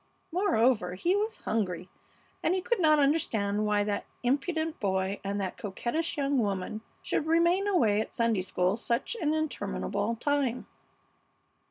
Moreover, he was hungry, and he could not understand why that impudent boy and that coquettish young woman should remain away at Sunday school such an interminable time.